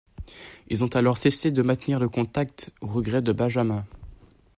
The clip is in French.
Ils ont alors cessé de maintenir le contact, au regret de Benjamin.